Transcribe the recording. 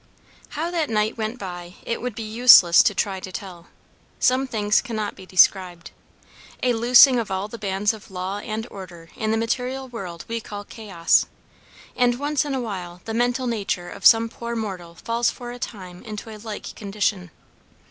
How that night went by it would be useless to try to tell. Some things cannot be described. A loosing of all the bands of law and order in the material world we call chaos; and once in a while the mental nature of some poor mortal falls for a time into a like condition.